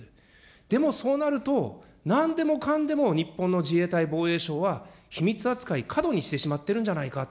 でもそうなると、なんでもかんでも日本の自衛隊・防衛省は秘密扱い、過度にしているんじゃないか。